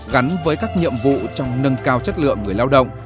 gắn với các nhiệm vụ trong nâng cao chất lượng người lao động